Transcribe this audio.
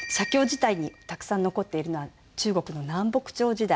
たくさん残っているのは中国の南北朝時代